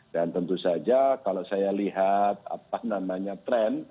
dan tentu saja kalau saya lihat apa namanya tren